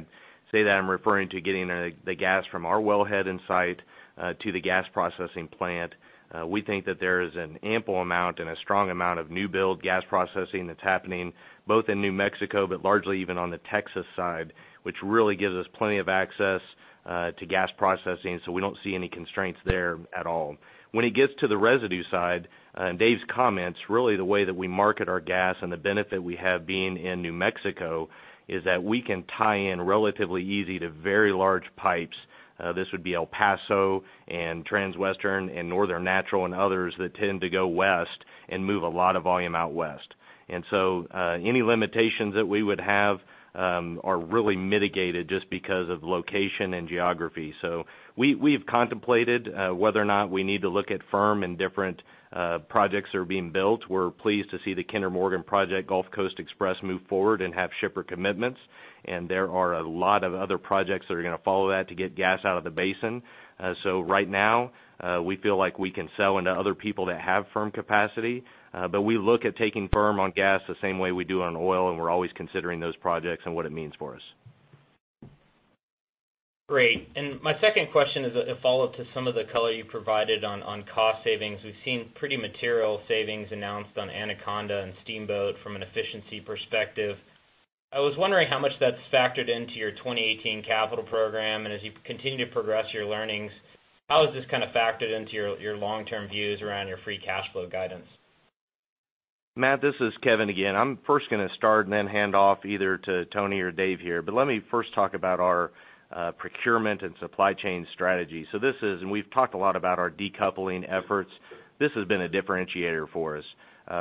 say that, I'm referring to getting the gas from our wellhead in site to the gas processing plant. We think that there is an ample amount and a strong amount of new build gas processing that's happening both in New Mexico, but largely even on the Texas side, which really gives us plenty of access to gas processing. We don't see any constraints there at all. When it gets to the residue side, Dave's comments, really the way that we market our gas and the benefit we have being in New Mexico is that we can tie in relatively easy to very large pipes. This would be El Paso and Transwestern and Northern Natural and others that tend to go west and move a lot of volume out west. Any limitations that we would have, are really mitigated just because of location and geography. We've contemplated whether or not we need to look at firm and different projects that are being built. We're pleased to see the Kinder Morgan project, Gulf Coast Express, move forward and have shipper commitments, and there are a lot of other projects that are going to follow that to get gas out of the basin. Right now, we feel like we can sell into other people that have firm capacity. We look at taking firm on gas the same way we do on oil, and we're always considering those projects and what it means for us.
My second question is a follow-up to some of the color you provided on cost savings. We have seen pretty material savings announced on Anaconda and Showboat from an efficiency perspective. I was wondering how much that is factored into your 2018 capital program, and as you continue to progress your learnings, how is this kind of factored into your long-term views around your free cash flow guidance?
Matt, this is Kevin again. I am first going to start and then hand off either to Tony or Dave here. Let me first talk about our procurement and supply chain strategy. We have talked a lot about our decoupling efforts. This has been a differentiator for us.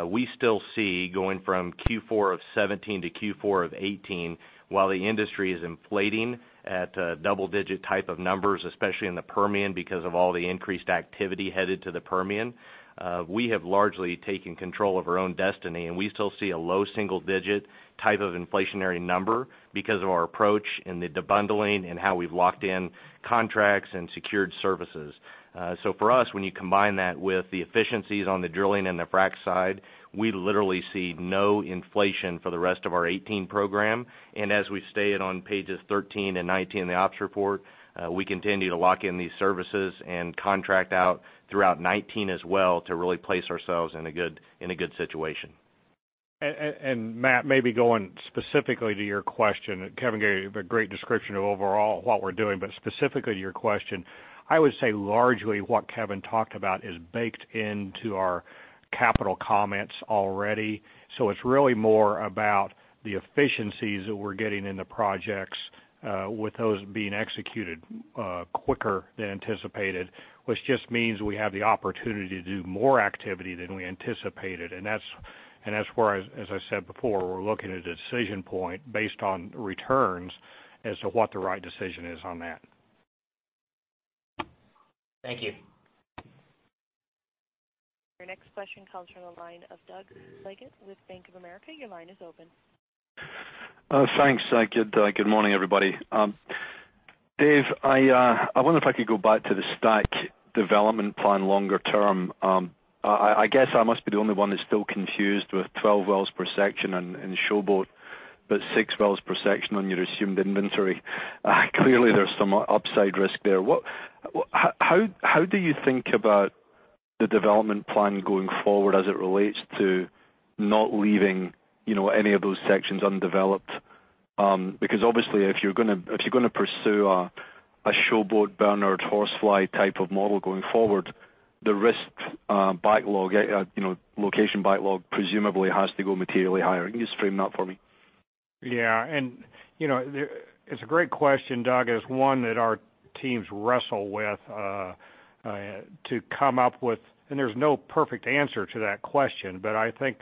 We still see going from Q4 of 2017 to Q4 of 2018, while the industry is inflating at double-digit type of numbers, especially in the Permian because of all the increased activity headed to the Permian. We have largely taken control of our own destiny, and we still see a low single-digit type of inflationary number because of our approach and the debundling and how we have locked in contracts and secured services. For us, when you combine that with the efficiencies on the drilling and the frack side, we literally see no inflation for the rest of our 2018 program. As we stated on pages 13 and 19 of the ops report, we continue to lock in these services and contract out throughout 2019 as well to really place ourselves in a good situation.
Matt, maybe going specifically to your question, Kevin gave a great description of overall what we are doing. Specifically to your question, I would say largely what Kevin talked about is baked into our capital comments already. It is really more about the efficiencies that we are getting in the projects with those being executed quicker than anticipated, which just means we have the opportunity to do more activity than we anticipated. That is where, as I said before, we are looking at a decision point based on returns as to what the right decision is on that.
Thank you.
Your next question comes from the line of Douglas Leggate with Bank of America. Your line is open.
Thanks. Good morning, everybody. Dave, I wonder if I could go back to the STACK development plan longer term. I guess I must be the only one that's still confused with 12 wells per section in Showboat, but 6 wells per section on your assumed inventory. Clearly, there's some upside risk there. How do you think about the development plan going forward as it relates to not leaving any of those sections undeveloped? Because obviously, if you're going to pursue a Showboat, Bernhardt, Horsefly type of model going forward, the risk backlog, location backlog, presumably has to go materially higher. Can you just frame that for me?
Yeah. It's a great question, Doug. It's one that our teams wrestle with to come up with, and there's no perfect answer to that question. I think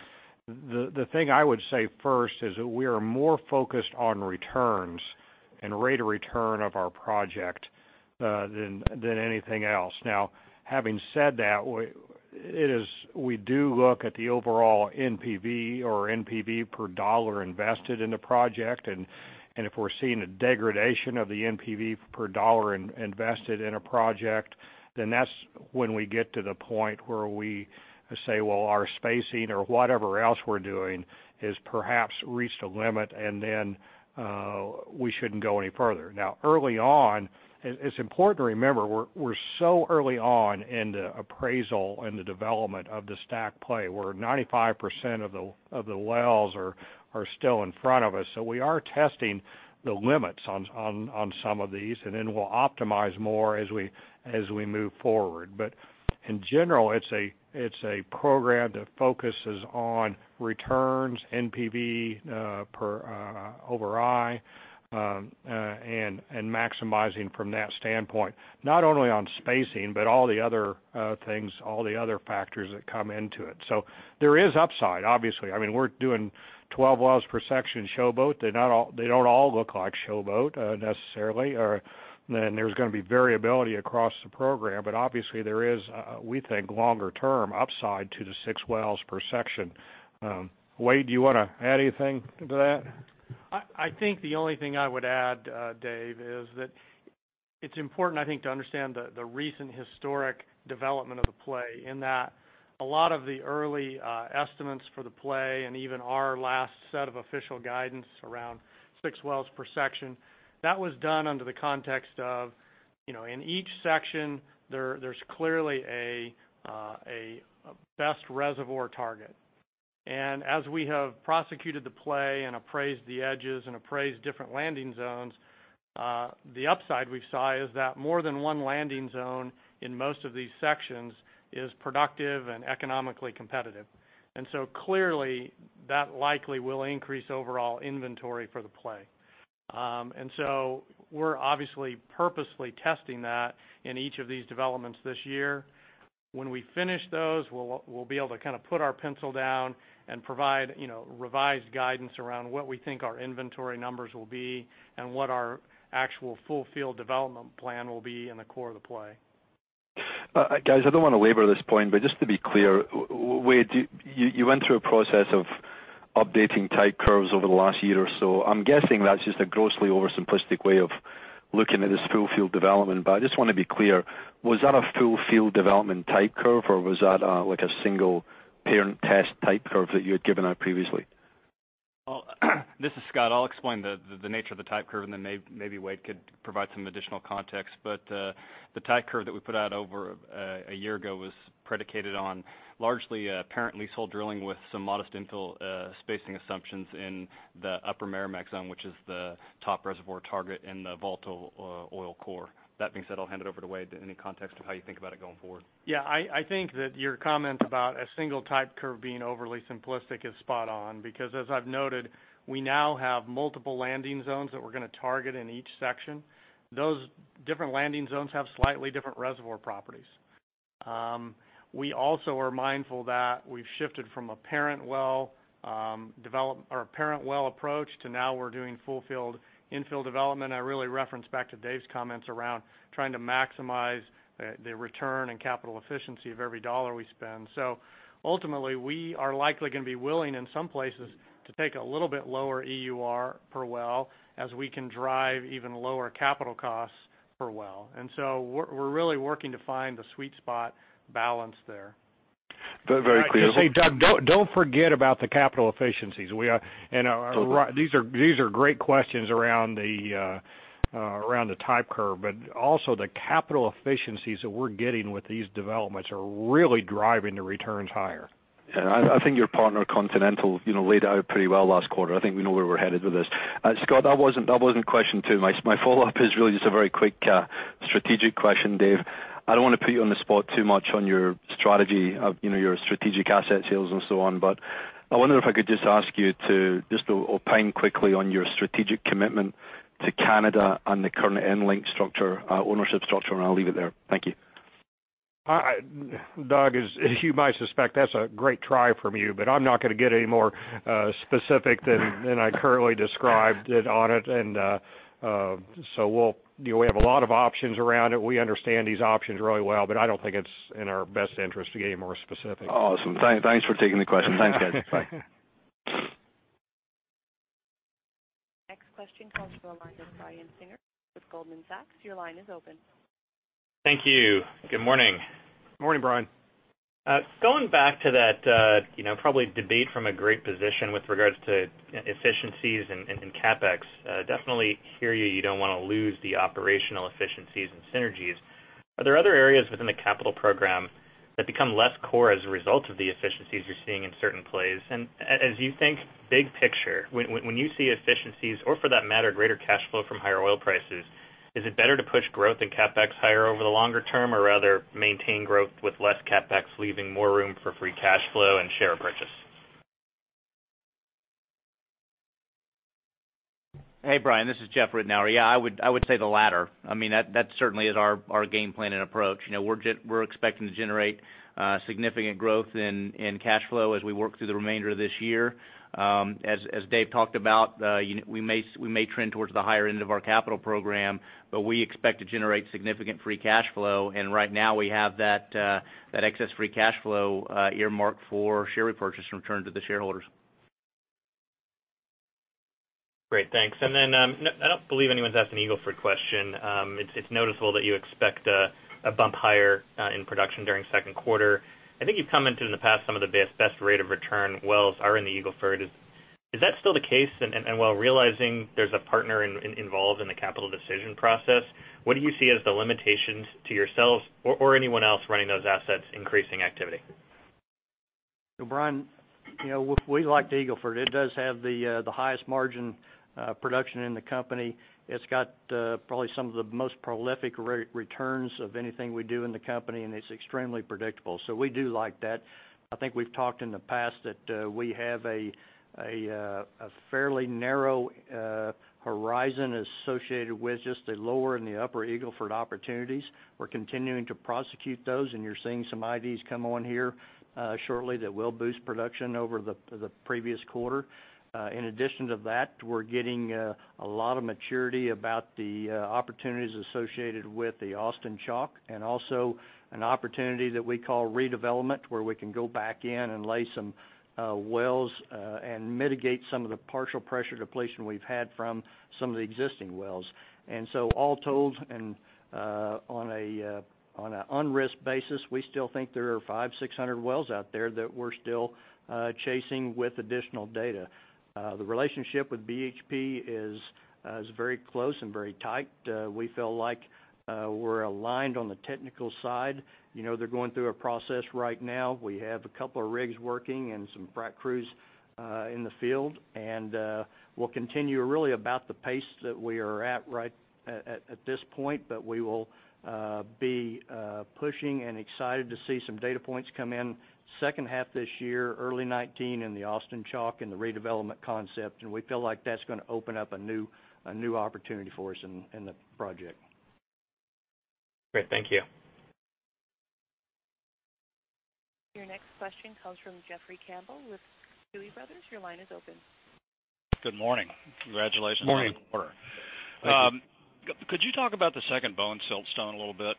the thing I would say first is that we are more focused on returns and rate of return of our project than anything else. Having said that, we do look at the overall NPV or NPV per dollar invested in the project, and if we're seeing a degradation of the NPV per dollar invested in a project, then that's when we get to the point where we say, well, our spacing or whatever else we're doing has perhaps reached a limit, and then we shouldn't go any further. Early on, it's important to remember we're so early on in the appraisal and the development of the STACK play, where 95% of the wells are still in front of us. We are testing the limits on some of these, we'll optimize more as we move forward. In general, it's a program that focuses on returns, NPV over i, and maximizing from that standpoint. Not only on spacing, but all the other things, all the other factors that come into it. There is upside, obviously. I mean, we're doing 12 wells per section Showboat. They don't all look like Showboat necessarily, there's going to be variability across the program. Obviously there is, we think, longer term upside to the six wells per section. Wade, do you want to add anything to that?
I think the only thing I would add, Dave, is that it's important, I think, to understand the recent historic development of the play, in that a lot of the early estimates for the play, and even our last set of official guidance around six wells per section, that was done under the context of, in each section, there's clearly a best reservoir target. As we have prosecuted the play and appraised the edges and appraised different landing zones, the upside we saw is that more than one landing zone in most of these sections is productive and economically competitive. Clearly, that likely will increase overall inventory for the play. We're obviously purposely testing that in each of these developments this year. When we finish those, we'll be able to put our pencil down and provide revised guidance around what we think our inventory numbers will be and what our actual full field development plan will be in the core of the play.
Guys, I don't want to labor this point, just to be clear, Wade, you went through a process of updating type curves over the last year or so. I'm guessing that's just a grossly oversimplistic way of looking at this full field development. I just want to be clear, was that a full field development type curve, or was that like a single parent test type curve that you had given out previously?
This is Scott. I'll explain the nature of the type curve. Maybe Wade could provide some additional context. The type curve that we put out over a year ago was predicated on largely parent leasehold drilling with some modest infill spacing assumptions in the Upper Meramec zone, which is the top reservoir target in the volatile oil core. That being said, I'll hand it over to Wade in any context of how you think about it going forward.
Yeah. I think that your comment about a single type curve being overly simplistic is spot on. As I've noted, we now have multiple landing zones that we're going to target in each section. Those different landing zones have slightly different reservoir properties. We also are mindful that we've shifted from a parent well approach to now we're doing full field infill development. I really reference back to Dave's comments around trying to maximize the return and capital efficiency of every dollar we spend. Ultimately, we are likely going to be willing in some places to take a little bit lower EUR per well as we can drive even lower capital costs per well. We're really working to find the sweet spot balance there.
Very clear.
Doug, don't forget about the capital efficiencies.
Okay.
These are great questions around the type curve, but also the capital efficiencies that we're getting with these developments are really driving the returns higher.
Yeah. I think your partner, Continental, laid out pretty well last quarter. I think we know where we're headed with this. Scott, that wasn't question 2. My follow-up is really just a very quick strategic question, Dave. I don't want to put you on the spot too much on your strategy of your strategic asset sales and so on, but I wonder if I could just ask you to just opine quickly on your strategic commitment to Canada and the current EnLink ownership structure. I'll leave it there. Thank you.
Doug, as you might suspect, that's a great try from you. I'm not going to get any more specific than I currently described it. We have a lot of options around it. We understand these options really well. I don't think it's in our best interest to get any more specific.
Awesome. Thanks for taking the question. Thanks, guys. Bye.
Next question comes from the line of Brian Singer with Goldman Sachs. Your line is open.
Thank you. Good morning.
Morning, Brian.
Going back to that, probably debate from a great position with regards to efficiencies and CapEx. Definitely hear you don't want to lose the operational efficiencies and synergies. Are there other areas within the capital program that become less core as a result of the efficiencies you're seeing in certain plays? As you think big picture, when you see efficiencies, or for that matter, greater cash flow from higher oil prices, is it better to push growth and CapEx higher over the longer term or rather maintain growth with less CapEx, leaving more room for free cash flow and share repurchase?
Hey, Brian, this is Jeff Ritenour. Yeah, I would say the latter. That certainly is our game plan and approach. We're expecting to generate significant growth in cash flow as we work through the remainder of this year. As Dave talked about, we may trend towards the higher end of our capital program, we expect to generate significant free cash flow, Right now we have that excess free cash flow earmarked for share repurchase return to the shareholders.
Great, thanks. I don't believe anyone's asked an Eagle Ford question. It's noticeable that you expect a bump higher in production during second quarter. I think you've commented in the past some of the best rate of return wells are in the Eagle Ford. Is that still the case? While realizing there's a partner involved in the capital decision process, what do you see as the limitations to yourselves or anyone else running those assets increasing activity?
Brian, we like the Eagle Ford. It does have the highest margin production in the company. It's got probably some of the most prolific returns of anything we do in the company, and it's extremely predictable. We do like that. I think we've talked in the past that we have a fairly narrow horizon associated with just the lower and the upper Eagle Ford opportunities. We're continuing to prosecute those, and you're seeing some IDs come on here shortly that will boost production over the previous quarter. In addition to that, we're getting a lot of maturity about the opportunities associated with the Austin Chalk and also an opportunity that we call redevelopment, where we can go back in and lay some wells, and mitigate some of the partial pressure depletion we've had from some of the existing wells. All told, on an unrisked basis, we still think there are 500, 600 wells out there that we're still chasing with additional data. The relationship with BHP is very close and very tight. We feel like we're aligned on the technical side. They're going through a process right now. We have a couple of rigs working and some frac crews in the field, and we'll continue really about the pace that we are at, right at this point. We will be pushing and excited to see some data points come in second half this year, early 2019 in the Austin Chalk and the redevelopment concept. We feel like that's going to open up a new opportunity for us in the project.
Great. Thank you.
Your next question comes from Jeffrey Campbell with Tuohy Brothers. Your line is open.
Good morning. Congratulations on the quarter.
Morning.
Could you talk about the Second Bone siltstone a little bit?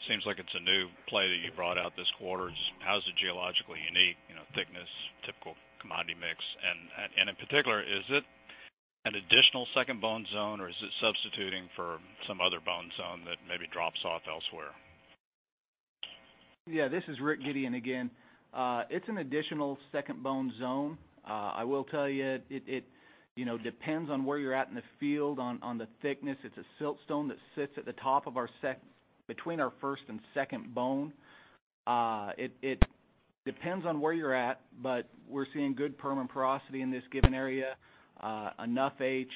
It seems like it's a new play that you brought out this quarter. How is it geologically unique? Thickness, typical commodity mix, and in particular, is it an additional Second Bone zone, or is it substituting for some other Bone zone that maybe drops off elsewhere?
Yeah, this is Rick Gideon again. It's an additional Second Bone zone. I will tell you, it depends on where you're at in the field, on the thickness. It's a siltstone that sits at the top of our sec-- between our First Bone and Second Bone. It depends on where you're at, we're seeing good perm and porosity in this given area. Enough H,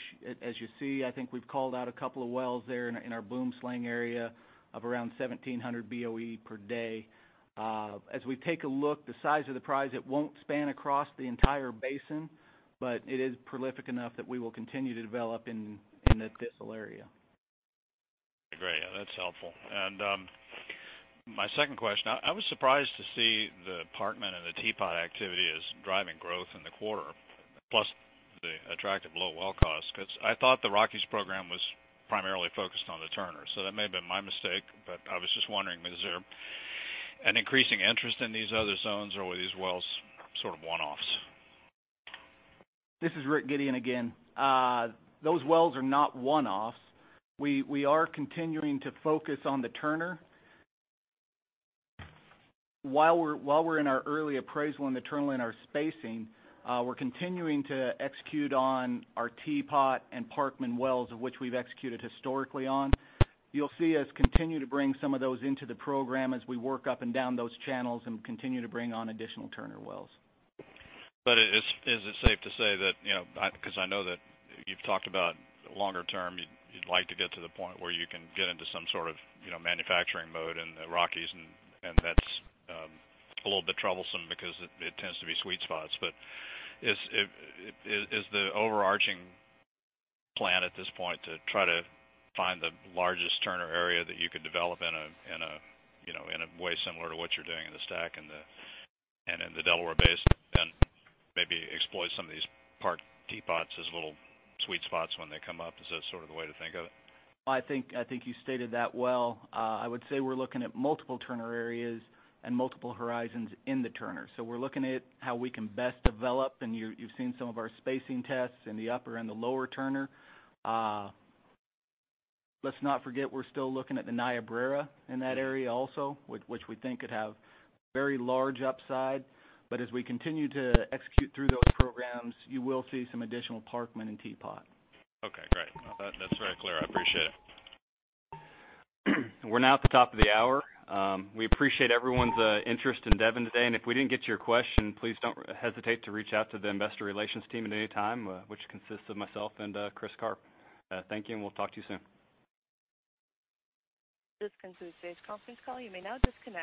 as you see, I think we've called out a couple of wells there in our Boomslang area of around 1,700 BOE per day. As we take a look, the size of the prize, it won't span across the entire basin, it is prolific enough that we will continue to develop in this little area.
Great. That's helpful. My second question, I was surprised to see the Parkman and the Teapot activity is driving growth in the quarter, plus the attractive low well cost, because I thought the Rockies program was primarily focused on the Turner. That may have been my mistake, I was just wondering, is there an increasing interest in these other zones, or were these wells sort of one-offs?
This is Rick Gideon again. Those wells are not one-offs. We are continuing to focus on the Turner. While we're in our early appraisal in the Turner, in our spacing, we're continuing to execute on our Teapot and Parkman wells, of which we've executed historically on. You'll see us continue to bring some of those into the program as we work up and down those channels and continue to bring on additional Turner wells.
Is it safe to say that, because I know that you've talked about longer term, you'd like to get to the point where you can get into some sort of manufacturing mode in the Rockies, that's a little bit troublesome because it tends to be sweet spots. Is the overarching plan at this point to try to find the largest Turner area that you could develop in a way similar to what you're doing in the STACK and in the Delaware Basin, maybe exploit some of these part Teapots as little sweet spots when they come up? Is that sort of the way to think of it?
I think you stated that well. I would say we're looking at multiple Turner areas and multiple horizons in the Turner. We're looking at how we can best develop, and you've seen some of our spacing tests in the upper and the lower Turner. Let's not forget, we're still looking at the Niobrara in that area also, which we think could have very large upside. As we continue to execute through those programs, you will see some additional Parkman and Teapot.
Okay, great. That's very clear. I appreciate it.
We're now at the top of the hour. We appreciate everyone's interest in Devon today. If we didn't get to your question, please don't hesitate to reach out to the Investor Relations team at any time, which consists of myself and Chris Carr. Thank you, and we'll talk to you soon.
This concludes today's conference call. You may now disconnect.